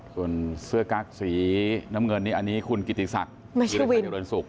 คุณเสื้อกักสีนำเงินอันนี้คุณกิติศักดิ์หรือคนขายเดือนสุก